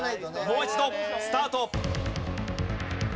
もう一度スタート。